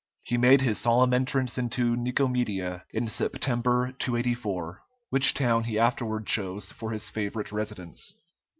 He made his solemn entrance into Nicomedia in September, 284, which town he afterward chose for his favorite residence.